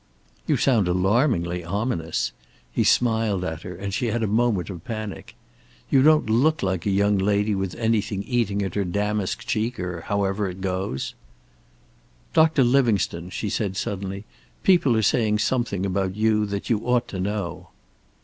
"You sound alarmingly ominous." He smiled at her, and she had a moment of panic. "You don't look like a young lady with anything eating at her damask cheek, or however it goes." "Doctor Livingstone," she said suddenly, "people are saying something about you that you ought to know."